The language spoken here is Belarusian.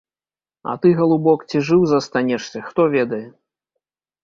І ты, галубок, ці жыў застанешся, хто ведае.